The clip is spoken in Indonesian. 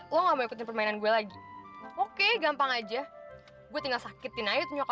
lo malah naik motor sama cowok